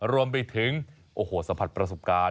รวมไปถึงสัมผัสประสบการณ์